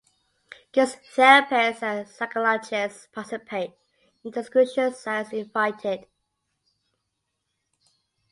Guest therapists and psychologists participate in the discussions as invited.